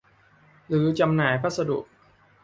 หรือจำหน่ายพัสดุ